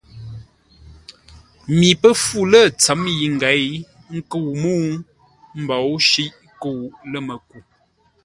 Mi pə́ fú lə̂ ntsə̌m yi ngěi ə́ nkə́u mə́u mboŋə́ shíʼ kə́u ləməku.